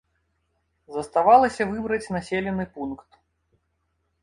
Заставалася выбраць населены пункт.